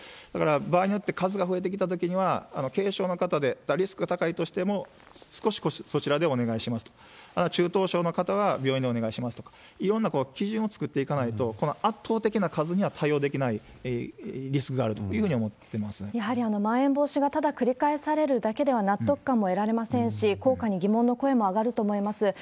だから場合によっては、数が増えてきたとか、軽症の方で、リスクが高いとしても少しそちらでお願いしますと、中等症の方は病院にお願いしますと、いろんな基準を作っていかないと、この圧倒的な数には対応できないリスクやはりまん延防止がただ繰り返されるだけでは納得感も得られませんし、効果に疑問の声も上がると思います。